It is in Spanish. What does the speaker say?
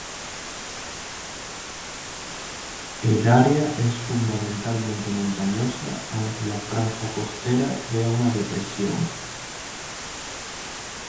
El área es fundamentalmente montañosa aunque la franja costera crea una depresión.